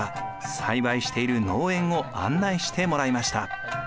栽培している農園を案内してもらいました。